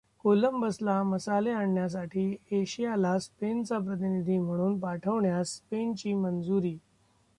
कोलंबसला मसाले आणण्यासाठी एशियाला स्पेनचा प्रतिनिधी म्हणून पाठवण्यास स्पेनची मंजूरी.